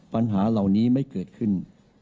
ปัญหาเหล่านี้ไม่เกิดขึ้น